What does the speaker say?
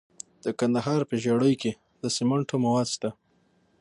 د کندهار په ژیړۍ کې د سمنټو مواد شته.